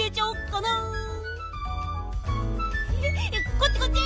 こっちこっち！